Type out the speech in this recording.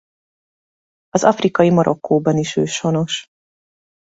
Az afrikai Marokkóban is őshonos.